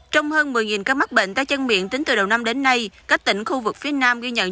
trong hơn một mươi ca mắc bệnh tay chân miệng tính từ đầu năm đến nay bệnh tay chân miệng sẽ còn tiếp tục giả tăng